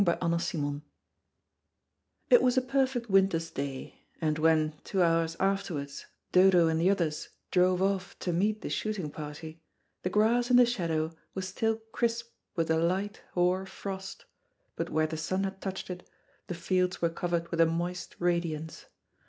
CHAPTER FIVE It was a perfect winter's day, and when, two hours afterwards, Dodo and the others drove off to meet the shooting party, the grass in the shadow was still crisp with the light, hoar frost, but where the sun had touched it, the fields were covered with a moist radiance.